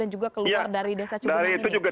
juga keluar dari desa cigenang ini